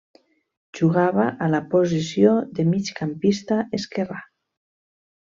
Jugava a la posició de migcampista esquerrà.